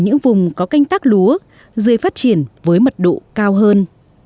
ở những vùng có canh tác lúa dươi phát triển với mật độ cao hơn